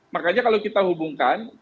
makanya kalau kita hubungkan